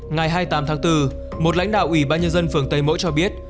ngày hai mươi tám tháng bốn một lãnh đạo ủy ban nhân dân phường tây mỗi cho biết